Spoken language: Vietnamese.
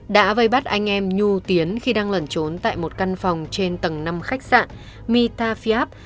đã vây bắt anh em nhu tiến khi đang lẩn trốn tại một căn phòng trên tầng năm khách sạn mita fiab